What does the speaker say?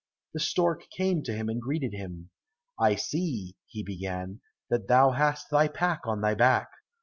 The stork came to him and greeted him. "I see," he began, "that thou hast thy pack on thy back.